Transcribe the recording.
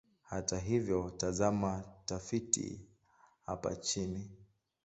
Hata hivyo, tazama tafiti hapa chini.